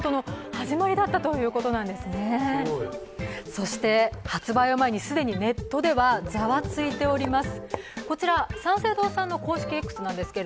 そして発売を前に既にネットではザワついています。